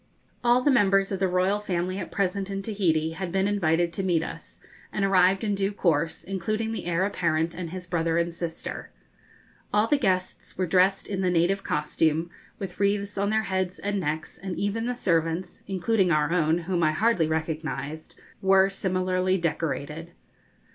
] [Illustration: Tropic Feathers] All the members of the royal family at present in Tahiti had been invited to meet us, and arrived in due course, including the heir apparent and his brother and sister. All the guests were dressed in the native costume, with wreaths on their heads and necks, and even the servants including our own, whom I hardly recognised were similarly decorated.